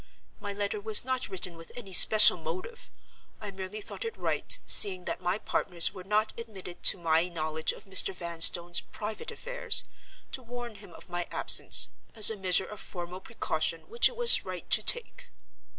My letter was not written with any special motive. I merely thought it right—seeing that my partners were not admitted to my knowledge of Mr. Vanstone's private affairs—to warn him of my absence, as a measure of formal precaution which it was right to take.